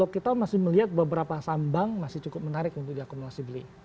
kita masih melihat beberapa sambang masih cukup menarik untuk diakumulasi beli